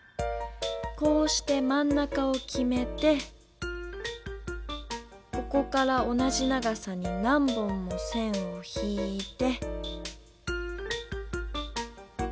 こうしてまん中をきめてここから同じ長さに何本も線を引いて。